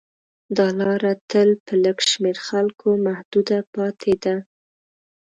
دا لاره تل په لږ شمېر خلکو محدوده پاتې ده.